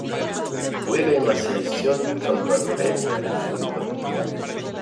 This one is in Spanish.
Juega en la selección salvadoreña de fútbol.